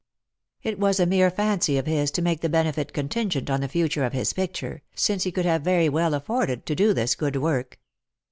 It was a mere fancy of his to make the benefit contingent on the future of his picture, since he could have very well afforded to do this good work.